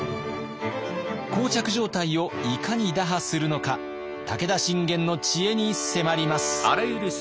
膠着状態をいかに打破するのか武田信玄の知恵に迫ります。